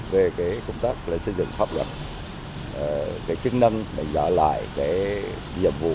về công tác xây dựng pháp luật chức năng đánh giá lại cái nhiệm vụ